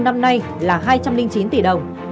năm nay là hai trăm linh chín tỷ đồng